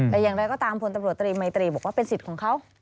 แต่อย่างไรก็ตามพลตำรวจตรีมัยตรีบอกว่าเป็นสิทธิ์ของเขา